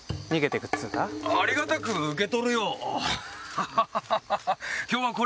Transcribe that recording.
ハハハハ！